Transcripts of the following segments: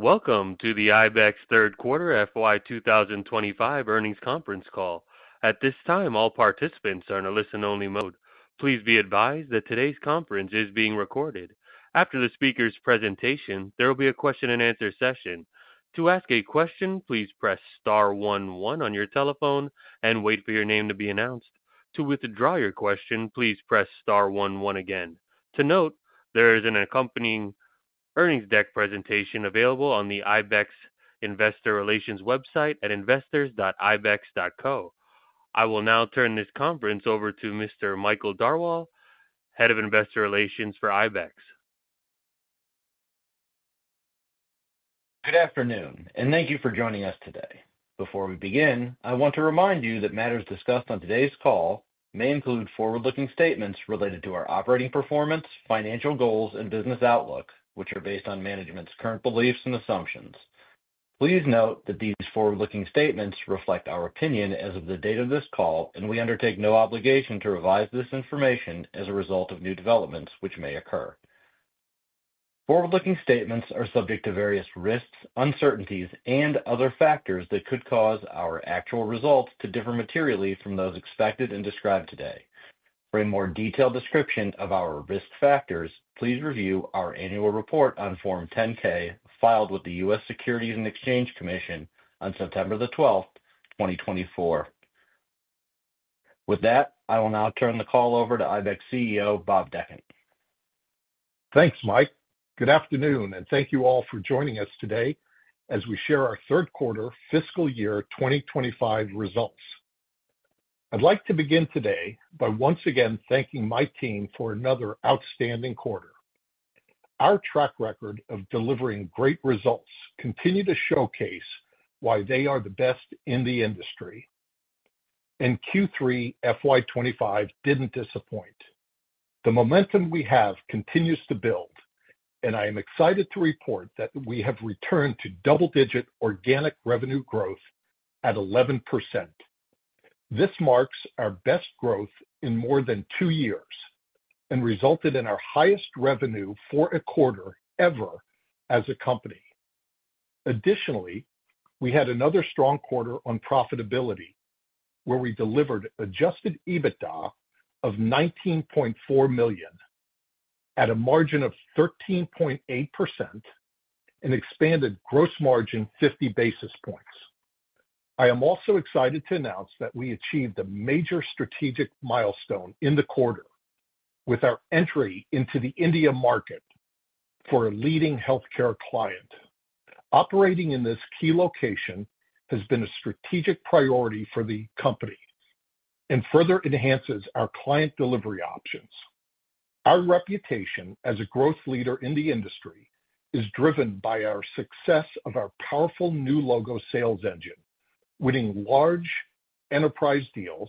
Welcome to the IBEX Third Quarter FY 2025 earnings conference call. At this time, all participants are in a listen-only mode. Please be advised that today's conference is being recorded. After the speaker's presentation, there will be a question-and-answer session. To ask a question, please press star one-one on your telephone and wait for your name to be announced. To withdraw your question, please press star one-one again. To note, there is an accompanying earnings deck presentation available on the IBEX Investor Relations website at investors.ibex.co. I will now turn this conference over to Mr. Michael Darwal, Head of Investor Relations for IBEX. Good afternoon, and thank you for joining us today. Before we begin, I want to remind you that matters discussed on today's call may include forward-looking statements related to our operating performance, financial goals, and business outlook, which are based on management's current beliefs and assumptions. Please note that these forward-looking statements reflect our opinion as of the date of this call, and we undertake no obligation to revise this information as a result of new developments which may occur. Forward-looking statements are subject to various risks, uncertainties, and other factors that could cause our actual results to differ materially from those expected and described today. For a more detailed description of our risk factors, please review our annual report on Form 10-K filed with the U.S. Securities and Exchange Commission on September the 12th, 2024. With that, I will now turn the call over to IBEX CEO Bob Dechant. Thanks, Mike. Good afternoon, and thank you all for joining us today as we share our Third Quarter Fiscal Year 2025 Results. I'd like to begin today by once again thanking my team for another outstanding quarter. Our track record of delivering great results continues to showcase why they are the best in the industry, and Q3 FY 2025 didn't disappoint. The momentum we have continues to build, and I am excited to report that we have returned to double-digit organic revenue growth at 11%. This marks our best growth in more than two years and resulted in our highest revenue for a quarter ever as a company. Additionally, we had another strong quarter on profitability, where we delivered an adjusted EBITDA of $19.4 million at a margin of 13.8% and expanded gross margin 50 basis points. I am also excited to announce that we achieved a major strategic milestone in the quarter with our entry into the India market for a leading healthcare client. Operating in this key location has been a strategic priority for the company and further enhances our client delivery options. Our reputation as a growth leader in the industry is driven by our success of our powerful new logo sales engine, winning large enterprise deals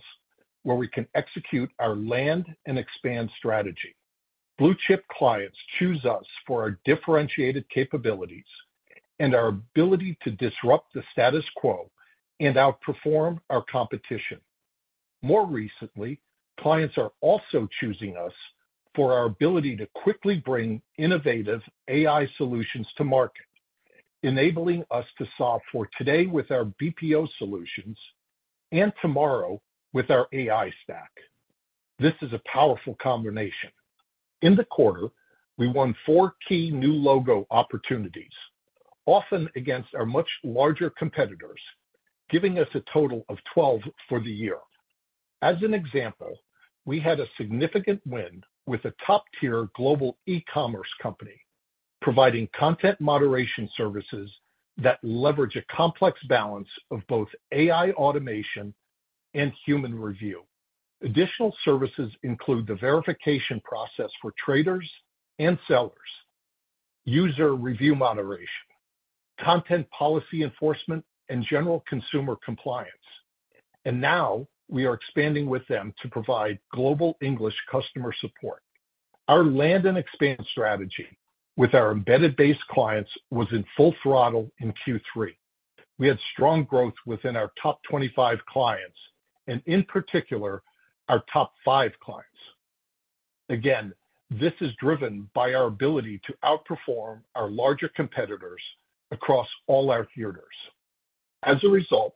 where we can execute our land and expand strategy. Blue-chip clients choose us for our differentiated capabilities and our ability to disrupt the status quo and outperform our competition. More recently, clients are also choosing us for our ability to quickly bring innovative AI solutions to market, enabling us to solve for today with our BPO solutions and tomorrow with our AI stack. This is a powerful combination. In the quarter, we won four key new logo opportunities, often against our much larger competitors, giving us a total of 12 for the year. As an example, we had a significant win with a top-tier global e-commerce company providing content moderation services that leverage a complex balance of both AI automation and human review. Additional services include the verification process for traders and sellers, user review moderation, content policy enforcement, and general consumer compliance. We are now expanding with them to provide global English customer support. Our land and expand strategy with our embedded-based clients was in full throttle in Q3. We had strong growth within our top 25 clients and, in particular, our top five clients. This is driven by our ability to outperform our larger competitors across all our theaters. As a result,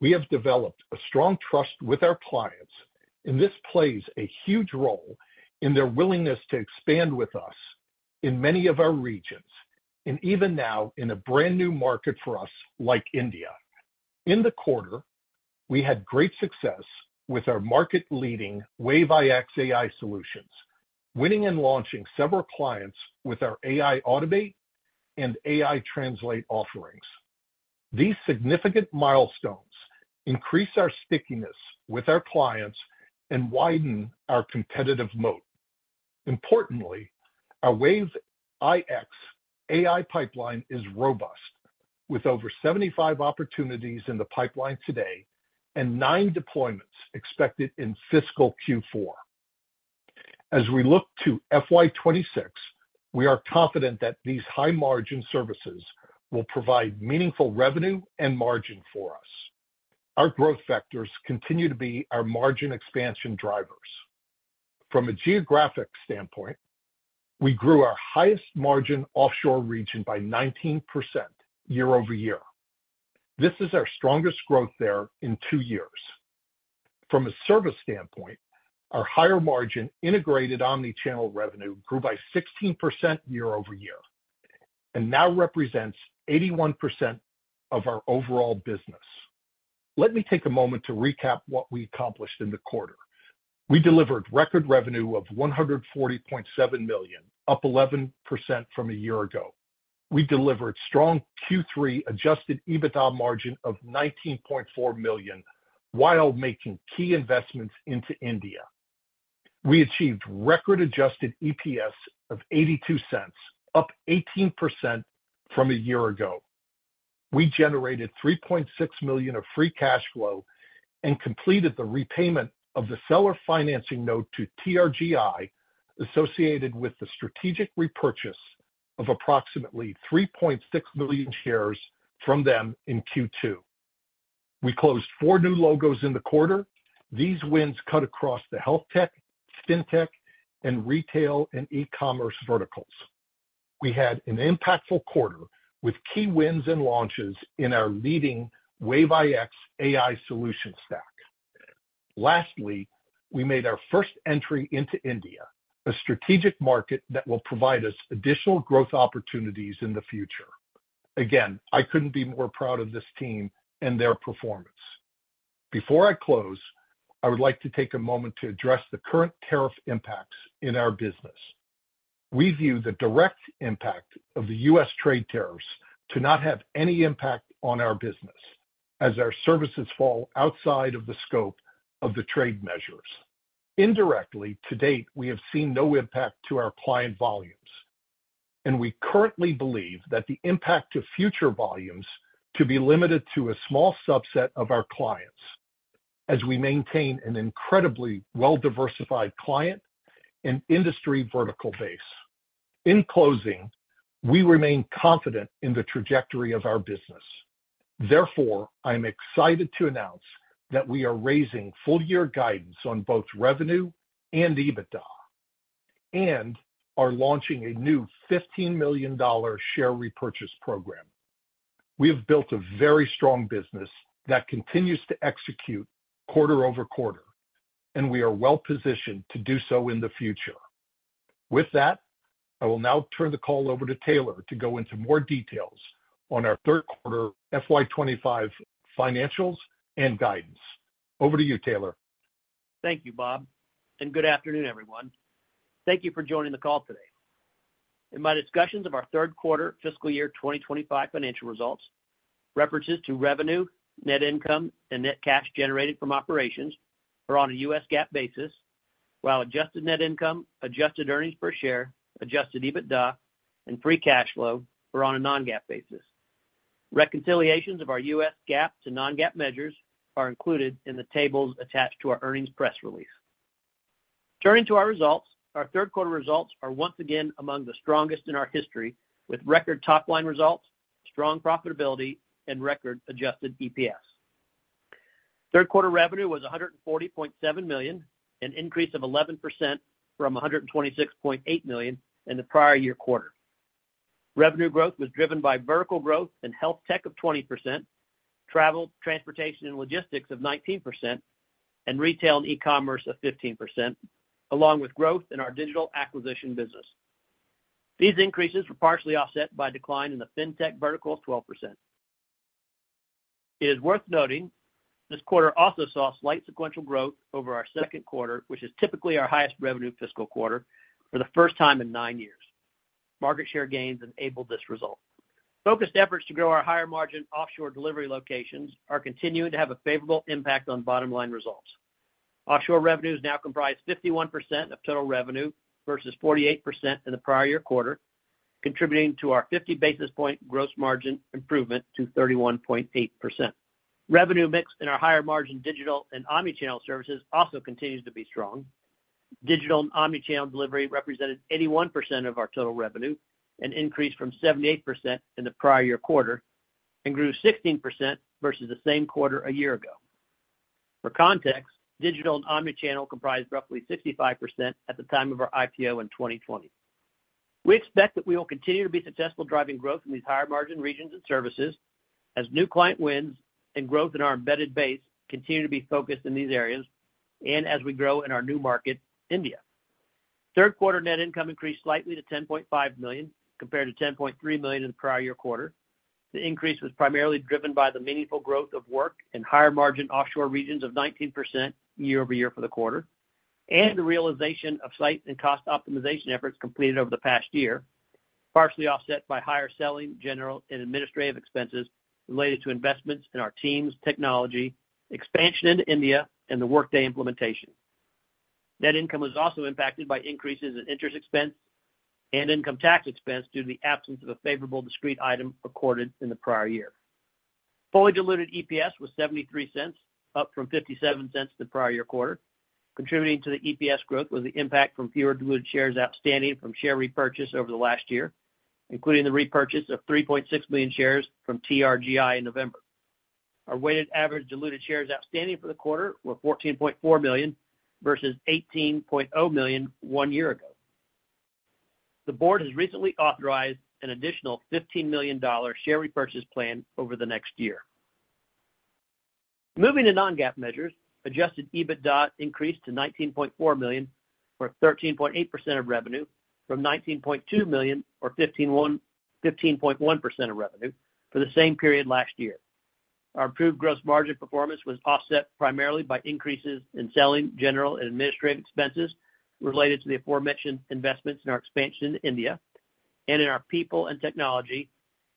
we have developed a strong trust with our clients, and this plays a huge role in their willingness to expand with us in many of our regions, and even now in a brand new market for us like India. In the quarter, we had great success with our market-leading Wave iX AI Solutions, winning and launching several clients with our AI Automate and AI Translate offerings. These significant milestones increase our stickiness with our clients and widen our competitive moat. Importantly, our Wave iX AI pipeline is robust, with over 75 opportunities in the pipeline today and nine deployments expected in fiscal Q4. As we look to FY 2026, we are confident that these high-margin services will provide meaningful revenue and margin for us. Our growth factors continue to be our margin expansion drivers. From a geographic standpoint, we grew our highest margin offshore region by 19% year-over-year. This is our strongest growth there in two years. From a service standpoint, our higher margin integrated omnichannel revenue grew by 16% year-over-year and now represents 81% of our overall business. Let me take a moment to recap what we accomplished in the quarter. We delivered record revenue of $140.7 million, up 11% from a year ago. We delivered strong Q3 adjusted EBITDA margin of $19.4 million while making key investments into India. We achieved record adjusted EPS of $0.82, up 18% from a year ago. We generated $3.6 million of free cash flow and completed the repayment of the seller financing note to TRGI associated with the strategic repurchase of approximately 3.6 million shares from them in Q2. We closed four new logos in the quarter. These wins cut across the health tech, fintech, and retail and e-commerce verticals. We had an impactful quarter with key wins and launches in our leading Wave iX AI solution stack. Lastly, we made our first entry into India, a strategic market that will provide us additional growth opportunities in the future. Again, I couldn't be more proud of this team and their performance. Before I close, I would like to take a moment to address the current tariff impacts in our business. We view the direct impact of the U.S. trade tariffs to not have any impact on our business, as our services fall outside of the scope of the trade measures. Indirectly, to date, we have seen no impact to our client volumes, and we currently believe that the impact to future volumes to be limited to a small subset of our clients, as we maintain an incredibly well-diversified client and industry vertical base. In closing, we remain confident in the trajectory of our business. Therefore, I'm excited to announce that we are raising full-year guidance on both revenue and EBITDA and are launching a new $15 million share repurchase program. We have built a very strong business that continues to execute quarter-over-quarter, and we are well-positioned to do so in the future. With that, I will now turn the call over to Taylor to go into more details on our third quarter FY 2025 financials and guidance. Over to you, Taylor. Thank you, Bob, and good afternoon, everyone. Thank you for joining the call today. In my discussions of our Third Quarter Fiscal Year 2025 Financial Results, references to revenue, net income, and net cash generated from operations are on a U.S. GAAP basis, while adjusted net income, adjusted earnings per share, adjusted EBITDA, and free cash flow are on a non-GAAP basis. Reconciliations of our U.S. GAAP to non-GAAP measures are included in the tables attached to our earnings press release. Turning to our results, our third quarter results are once again among the strongest in our history, with record top-line results, strong profitability, and record adjusted EPS. Third quarter revenue was $140.7 million, an increase of 11% from $126.8 million in the prior year quarter. Revenue growth was driven by vertical growth in health tech of 20%, travel, transportation, and logistics of 19%, and retail and e-commerce of 15%, along with growth in our digital acquisition business. These increases were partially offset by a decline in the fintech vertical of 12%. It is worth noting this quarter also saw slight sequential growth over our second quarter, which is typically our highest revenue fiscal quarter for the first time in nine years. Market share gains enabled this result. Focused efforts to grow our higher-margin offshore delivery locations are continuing to have a favorable impact on bottom-line results. Offshore revenues now comprise 51% of total revenue versus 48% in the prior year quarter, contributing to our 50 basis point gross margin improvement to 31.8%. Revenue mix in our higher-margin digital and omnichannel services also continues to be strong. Digital and omnichannel delivery represented 81% of our total revenue, an increase from 78% in the prior year quarter, and grew 16% versus the same quarter a year ago. For context, digital and omnichannel comprised roughly 65% at the time of our IPO in 2020. We expect that we will continue to be successful driving growth in these higher-margin regions and services as new client wins and growth in our embedded base continue to be focused in these areas, and as we grow in our new market, India. Third quarter net income increased slightly to $10.5 million compared to $10.3 million in the prior year quarter. The increase was primarily driven by the meaningful growth of work in higher-margin offshore regions of 19% year-over-year for the quarter, and the realization of slight and cost optimization efforts completed over the past year, partially offset by higher selling, general, and administrative expenses related to investments in our teams, technology, expansion into India, and the Workday implementation. Net income was also impacted by increases in interest expense and income tax expense due to the absence of a favorable discrete item recorded in the prior year. Fully diluted EPS was $0.73, up from $0.57 the prior year quarter. Contributing to the EPS growth was the impact from fewer diluted shares outstanding from share repurchase over the last year, including the repurchase of 3.6 million shares from TRGI in November. Our weighted average diluted shares outstanding for the quarter were 14.4 million versus 18.0 million one year ago. The board has recently authorized an additional $15 million share repurchase plan over the next year. Moving to non-GAAP measures, adjusted EBITDA increased to $19.4 million or 13.8% of revenue from $19.2 million or 15.1% of revenue for the same period last year. Our improved gross margin performance was offset primarily by increases in selling, general, and administrative expenses related to the aforementioned investments in our expansion in India and in our people and technology,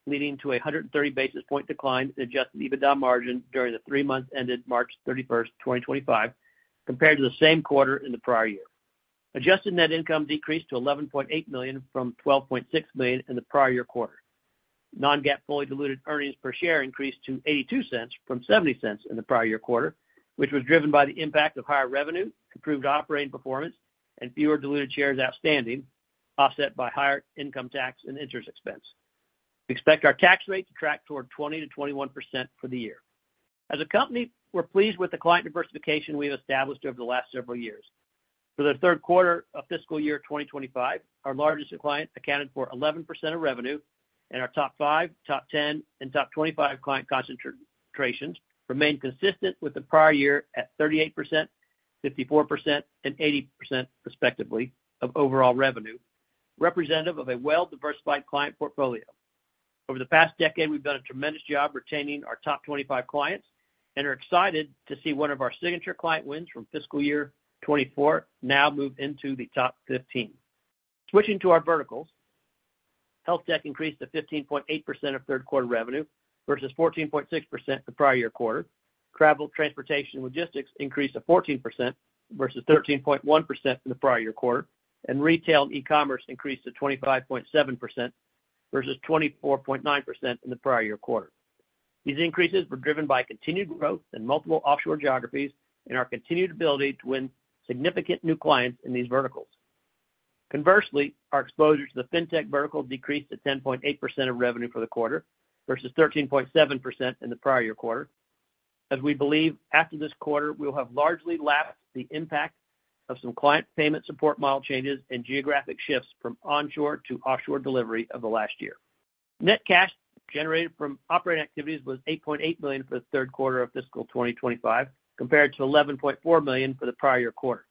leading to a 130 basis point decline in adjusted EBITDA margin during the three months ended March 31, 2025, compared to the same quarter in the prior year. Adjusted net income decreased to $11.8 million from $12.6 million in the prior year quarter. Non-GAAP fully diluted earnings per share increased to $0.82 from $0.70 in the prior year quarter, which was driven by the impact of higher revenue, improved operating performance, and fewer diluted shares outstanding, offset by higher income tax and interest expense. We expect our tax rate to track toward 20%-21% for the year. As a company, we're pleased with the client diversification we have established over the last several years. For the third quarter of fiscal year 2025, our largest client accounted for 11% of revenue, and our top five, top ten, and top 25 client concentrations remained consistent with the prior year at 38%, 54%, and 80%, respectively, of overall revenue, representative of a well-diversified client portfolio. Over the past decade, we've done a tremendous job retaining our top 25 clients and are excited to see one of our signature client wins from fiscal year 2024 now move into the top 15. Switching to our verticals, health tech increased to 15.8% of third quarter revenue versus 14.6% the prior year quarter. Travel, transportation, and logistics increased to 14% versus 13.1% in the prior year quarter, and retail and e-commerce increased to 25.7% versus 24.9% in the prior year quarter. These increases were driven by continued growth in multiple offshore geographies and our continued ability to win significant new clients in these verticals. Conversely, our exposure to the fintech vertical decreased to 10.8% of revenue for the quarter versus 13.7% in the prior year quarter, as we believe after this quarter we will have largely lapped the impact of some client payment support model changes and geographic shifts from onshore to offshore delivery of the last year. Net cash generated from operating activities was $8.8 million for the third quarter of fiscal 2025, compared to $11.4 million for the prior year quarter.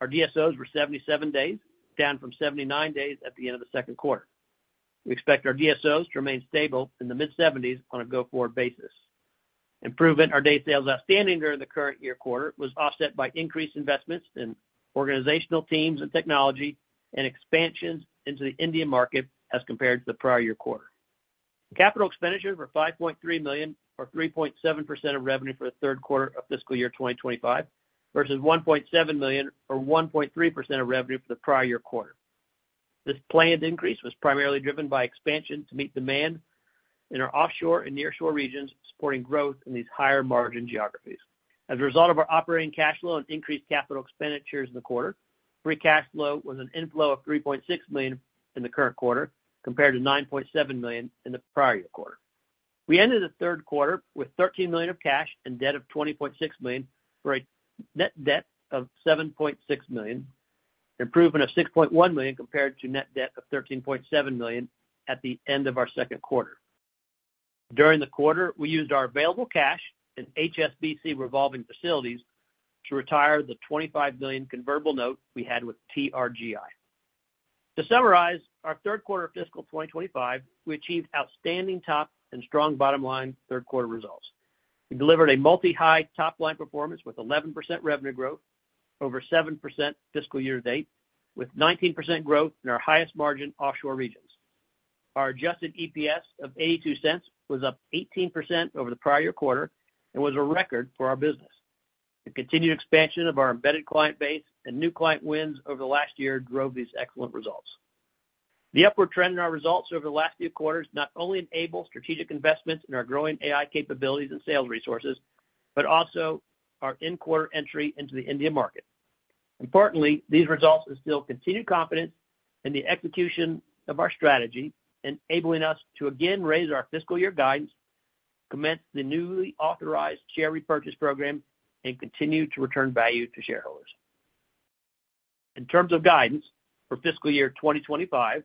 Our DSOs were 77 days, down from 79 days at the end of the second quarter. We expect our DSOs to remain stable in the mid-70s on a go-forward basis. Improvement in our days sales outstanding during the current year quarter was offset by increased investments in organizational teams and technology and expansions into the Indian market as compared to the prior year quarter. Capital expenditures were $5.3 million or 3.7% of revenue for the third quarter of fiscal year 2025 versus $1.7 million or 1.3% of revenue for the prior year quarter. This planned increase was primarily driven by expansion to meet demand in our offshore and nearshore regions, supporting growth in these higher-margin geographies. As a result of our operating cash flow and increased capital expenditures in the quarter, free cash flow was an inflow of $3.6 million in the current quarter, compared to $9.7 million in the prior year quarter. We ended the third quarter with $13 million of cash and debt of $20.6 million for a net debt of $7.6 million, improvement of $6.1 million compared to net debt of $13.7 million at the end of our second quarter. During the quarter, we used our available cash and HSBC revolving facilities to retire the $25 million convertible note we had with TRGI. To summarize, our third quarter of fiscal 2025, we achieved outstanding top and strong bottom-line third quarter results. We delivered a multi-high top-line performance with 11% revenue growth over 7% fiscal year date, with 19% growth in our highest margin offshore regions. Our adjusted EPS of $0.82 was up 18% over the prior year quarter and was a record for our business. The continued expansion of our embedded client base and new client wins over the last year drove these excellent results. The upward trend in our results over the last few quarters not only enabled strategic investments in our growing AI capabilities and sales resources, but also our in-quarter entry into the Indian market. Importantly, these results instill continued confidence in the execution of our strategy, enabling us to again raise our fiscal year guidance, commence the newly authorized share repurchase program, and continue to return value to shareholders. In terms of guidance for fiscal year 2025,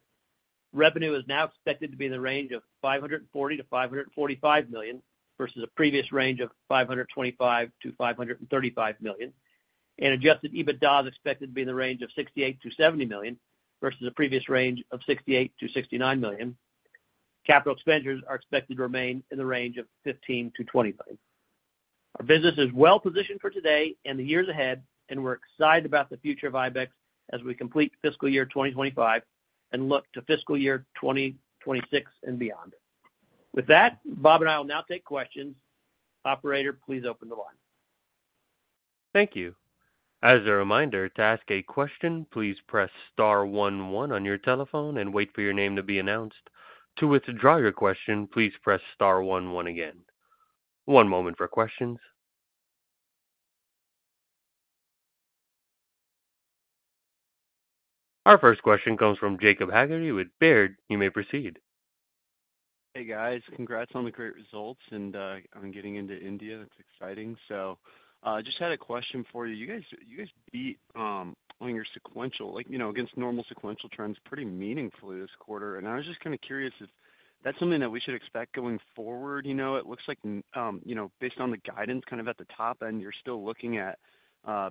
revenue is now expected to be in the range of $540 million-$545 million versus a previous range of $525 million-$535 million, and adjusted EBITDA is expected to be in the range of $68 million-$79 million versus a previous range of $68 million-$69 million. Capital expenditures are expected to remain in the range of $15 million-$20 million. Our business is well-positioned for today and the years ahead, and we're excited about the future of IBEX as we complete fiscal year 2025 and look to fiscal year 2026 and beyond. With that, Bob and I will now take questions. Operator, please open the line. Thank you. As a reminder, to ask a question, please press star one one on your telephone and wait for your name to be announced. To withdraw your question, please press star one one again. One moment for questions. Our first question comes from Jacob Hagel with Baird. You may proceed. Hey, guys. Congrats on the great results, and on getting into India. It's exciting. I just had a question for you. You guys beat on your sequential, against normal sequential trends pretty meaningfully this quarter. I was just kind of curious if that's something that we should expect going forward. You know, it looks like, you know, based on the guidance kind of at the top end, you're still looking at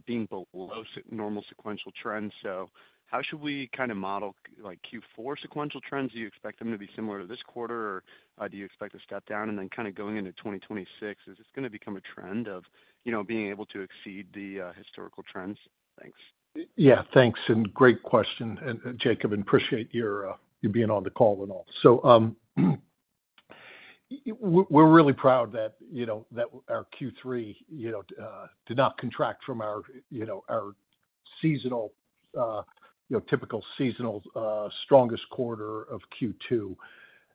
being below normal sequential trends. How should we kind of model Q4 sequential trends? Do you expect them to be similar to this quarter, or do you expect a step down? Kind of going into 2026, is this going to become a trend of, you know, being able to exceed the historical trends? Thanks. Yeah, thanks. Great question, Jacob, and appreciate your being on the call and all. We're really proud that our Q3 did not contract from our typical seasonal strongest quarter of Q2.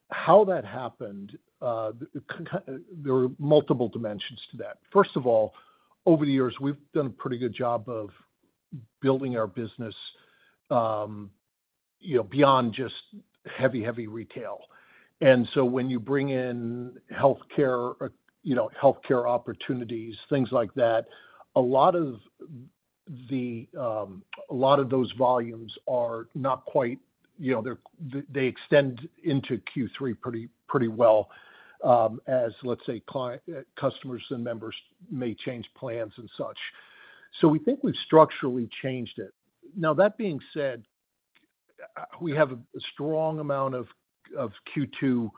How that happened, there were multiple dimensions to that. First of all, over the years, we've done a pretty good job of building our business beyond just heavy, heavy retail. When you bring in healthcare, healthcare opportunities, things like that, a lot of those volumes are not quite, they extend into Q3 pretty well as, let's say, customers and members may change plans and such. We think we've structurally changed it. Now, that being said, we have a strong amount of Q2,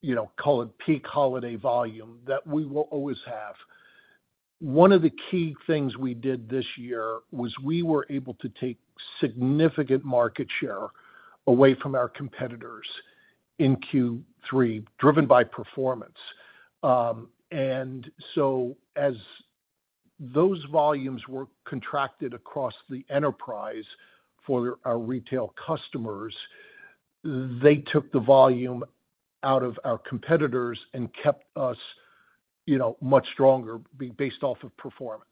you know, call it peak holiday volume that we will always have. One of the key things we did this year was we were able to take significant market share away from our competitors in Q3, driven by performance. As those volumes were contracted across the enterprise for our retail customers, they took the volume out of our competitors and kept us, you know, much stronger based off of performance.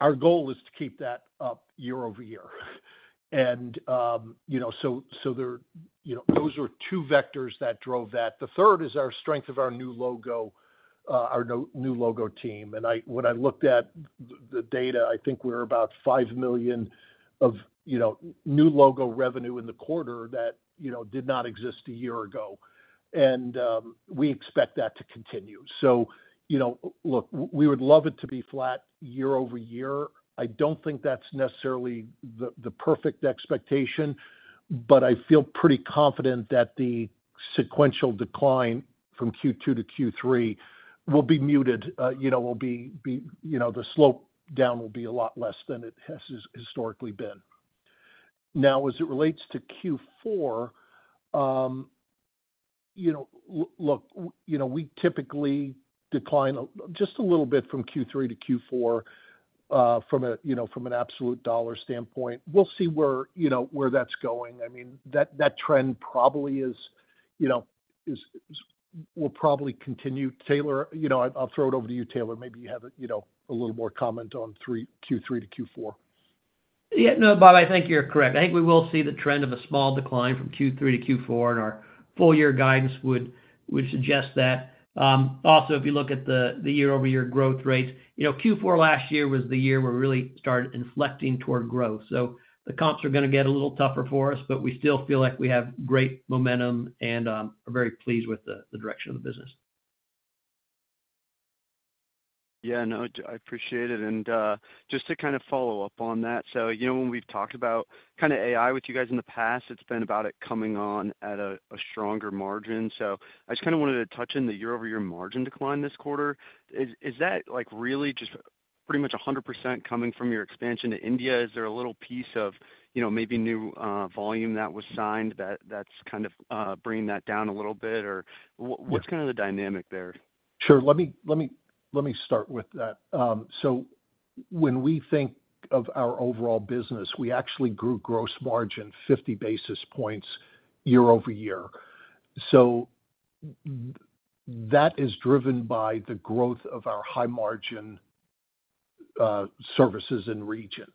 Our goal is to keep that up year-over-year. You know, those are two vectors that drove that. The third is our strength of our new logo, our new logo team. I, when I looked at the data, I think we're about $5 million of, you know, new logo revenue in the quarter that, you know, did not exist a year ago. We expect that to continue. You know, look, we would love it to be flat year-over-year. I do not think that's necessarily the perfect expectation, but I feel pretty confident that the sequential decline from Q2 to Q3 will be muted, you know, will be, you know, the slope down will be a lot less than it has historically been. Now, as it relates to Q4, you know, look, you know, we typically decline just a little bit from Q3 to Q4 from a, you know, from an absolute dollar standpoint. We'll see where, you know, where that's going. I mean, that trend probably is, you know, is, will probably continue. Taylor, you know, I'll throw it over to you, Taylor. Maybe you have a, you know, a little more comment on Q3 to Q4. Yeah, no, Bob, I think you're correct. I think we will see the trend of a small decline from Q3 to Q4, and our full year guidance would suggest that. Also, if you look at the year-over-year growth rates, you know, Q4 last year was the year where we really started inflecting toward growth. The comps are going to get a little tougher for us, but we still feel like we have great momentum and are very pleased with the direction of the business. Yeah, no, I appreciate it. And just to kind of follow up on that, you know, when we've talked about kind of AI with you guys in the past, it's been about it coming on at a stronger margin. I just kind of wanted to touch on the year-over-year margin decline this quarter. Is that like really just pretty much 100% coming from your expansion to India? Is there a little piece of, you know, maybe new volume that was signed that's kind of bringing that down a little bit? What's kind of the dynamic there? Sure. Let me, let me start with that. So when we think of our overall business, we actually grew gross margin 50 basis points year-over-year. That is driven by the growth of our high-margin services and regions.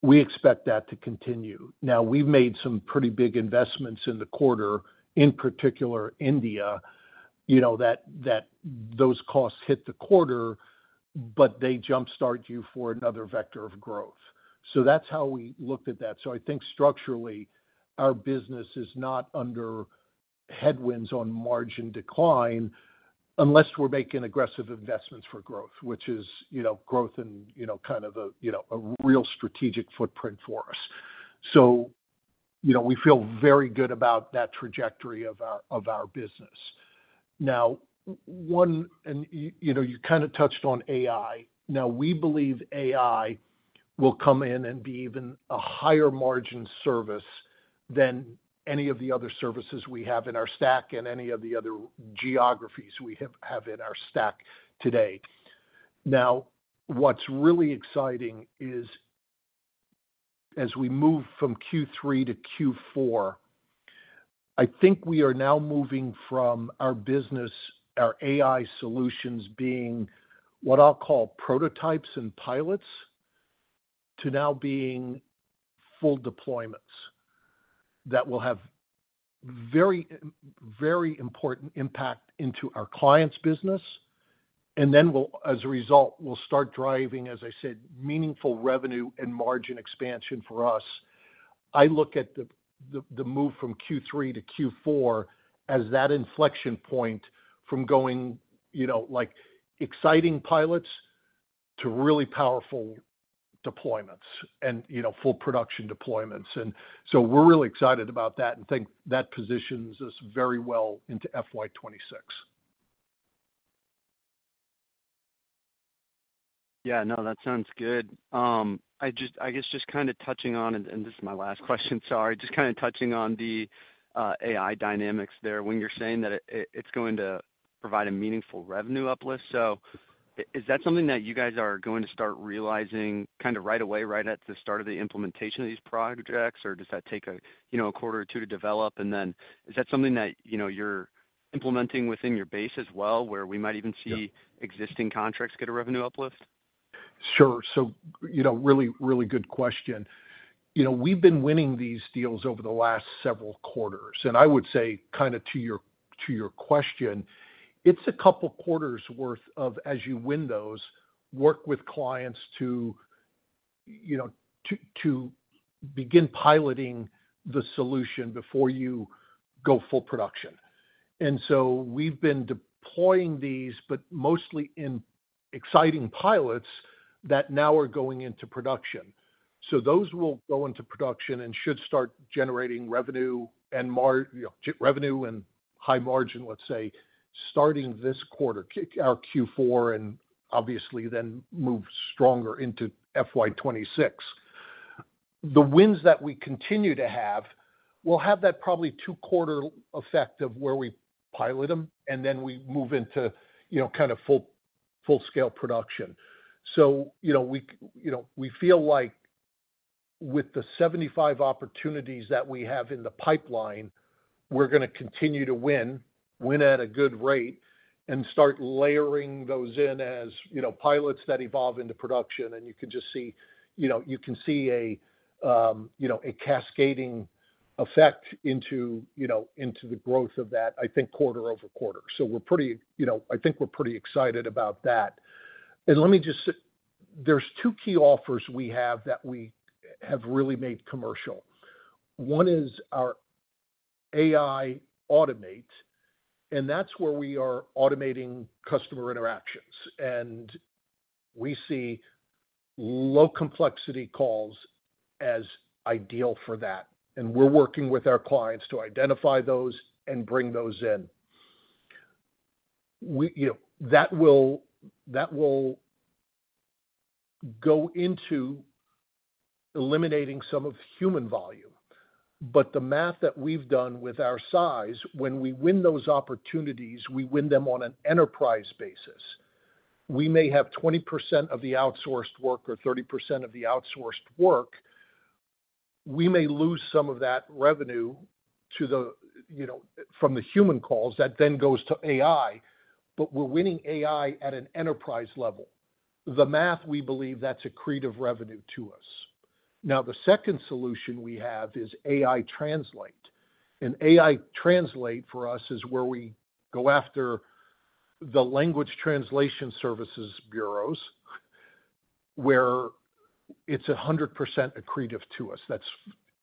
We expect that to continue. Now, we've made some pretty big investments in the quarter, in particular India, you know, those costs hit the quarter, but they jump-start you for another vector of growth. That is how we looked at that. I think structurally our business is not under headwinds on margin decline unless we're making aggressive investments for growth, which is, you know, growth and, you know, kind of a, you know, a real strategic footprint for us. You know, we feel very good about that trajectory of our business. Now, one, and you know, you kind of touched on AI. Now, we believe AI will come in and be even a higher margin service than any of the other services we have in our stack and any of the other geographies we have in our stack today. What's really exciting is as we move from Q3 to Q4, I think we are now moving from our business, our AI solutions being what I'll call prototypes and pilots to now being full deployments that will have very, very important impact into our clients' business. We'll, as a result, start driving, as I said, meaningful revenue and margin expansion for us. I look at the move from Q3 to Q4 as that inflection point from going, you know, like exciting pilots to really powerful deployments and, you know, full production deployments. We are really excited about that and think that positions us very well into FY 2026. Yeah, no, that sounds good. I just, I guess just kind of touching on, and this is my last question, sorry, just kind of touching on the AI dynamics there when you're saying that it's going to provide a meaningful revenue uplift. Is that something that you guys are going to start realizing kind of right away, right at the start of the implementation of these projects, or does that take a, you know, a quarter two to develop? Is that something that, you know, you're implementing within your base as well where we might even see existing contracts get a revenue uplift? Sure. You know, really, really good question. You know, we've been winning these deals over the last several quarters. I would say kind of to your question, it's a couple quarters' worth of, as you win those, work with clients to, you know, to begin piloting the solution before you go full production. We've been deploying these, but mostly in exciting pilots that now are going into production. Those will go into production and should start generating revenue and, you know, revenue and high margin, let's say, starting this quarter, our Q4, and obviously then move stronger into FY 2026. The wins that we continue to have will have that probably two-quarter effect of where we pilot them and then we move into, you know, kind of full, full-scale production. You know, we feel like with the 75 opportunities that we have in the pipeline, we're going to continue to win at a good rate and start layering those in as, you know, pilots that evolve into production. You can just see, you know, you can see a, you know, a cascading effect into, you know, into the growth of that, I think, quarter-over-quarter. We're pretty, you know, I think we're pretty excited about that. Let me just, there's two key offers we have that we have really made commercial. One is our AI Automate, and that's where we are automating customer interactions. We see low complexity calls as ideal for that. We're working with our clients to identify those and bring those in. You know, that will go into eliminating some of human volume. The math that we've done with our size, when we win those opportunities, we win them on an enterprise basis. We may have 20% of the outsourced work or 30% of the outsourced work. We may lose some of that revenue to the, you know, from the human calls that then goes to AI, but we're winning AI at an enterprise level. The math, we believe that's accretive revenue to us. Now, the second solution we have is AI Translate. And AI Translate for us is where we go after the language translation services bureaus where it's 100% accretive to us. That's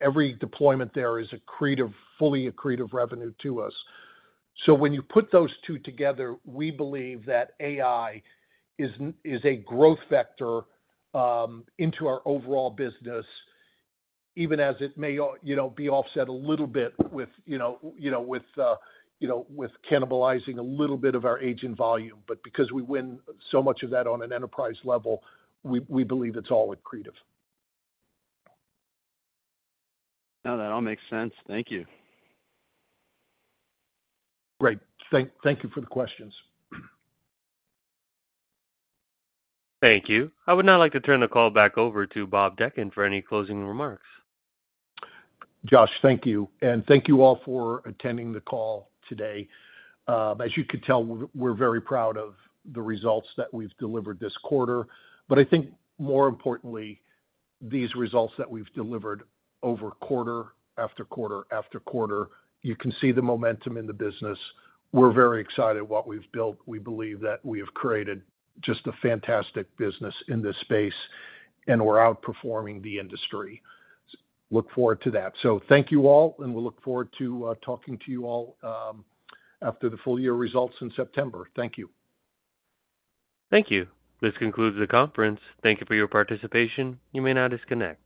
every deployment there is accretive, fully accretive revenue to us. When you put those two together, we believe that AI is a growth vector into our overall business, even as it may, you know, be offset a little bit with, you know, with cannibalizing a little bit of our agent volume. But because we win so much of that on an enterprise level, we believe it's all accretive. No, that all makes sense. Thank you. Great. Thank you for the questions. Thank you. I would now like to turn the call back over to Bob Dechant for any closing remarks. Josh, thank you. Thank you all for attending the call today. As you can tell, we're very proud of the results that we've delivered this quarter. I think more importantly, these results that we've delivered over quarter after quarter after quarter, you can see the momentum in the business. We're very excited what we've built. We believe that we have created just a fantastic business in this space and we're outperforming the industry. Look forward to that. Thank you all, and we'll look forward to talking to you all after the full year results in September. Thank you. Thank you. This concludes the conference. Thank you for your participation. You may now disconnect.